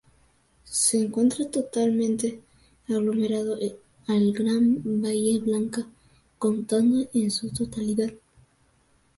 Se encuentra totalmente aglomerado al Gran Bahía Blanca, contando en su totalidad.